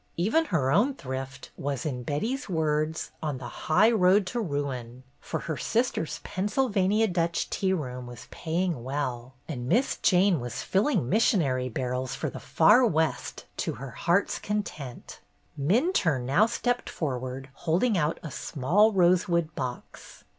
Even her own thrift was, in Betty's words, on the highroad to ruin, for her sister's Pennsyl vania Dutch tea room was paying well, and Miss Jane was filling missionary barrels for the far West to her heart's content. CHRISTMAS EVE 265 Minturne now stepped forward, holding out a small rosewood box.